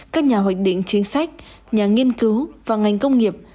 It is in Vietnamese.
các nhà hoạch định chính sách nhà nghiên cứu và ngành công nghiệp